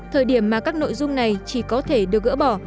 thời điểm mà các nội dung này chỉ có thể được gỡ bỏ